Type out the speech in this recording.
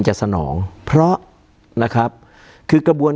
การแสดงความคิดเห็น